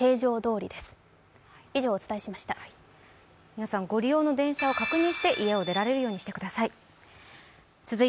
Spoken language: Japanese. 皆さん、ご利用の電車を確認して家を出られるようにしてください。